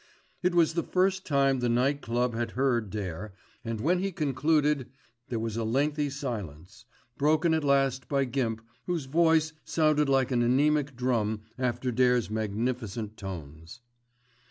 It was the first time the Night Club had heard Dare, and when he concluded there was a lengthy silence, broken at last by Gimp, whose voice sounded like an anæmic drum after Dare's magnificent tones.